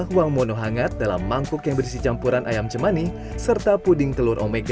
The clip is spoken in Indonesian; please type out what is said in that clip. dan selalu hangat dalam mangkuk yang berisi campuran ayam cemani serta puding telur omega